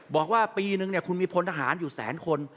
บอกว่าปีนึงคุณมีพลทหารอยู่แสนคน